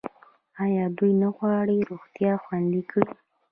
آیا دوی نه غواړي روغتیا خوندي کړي؟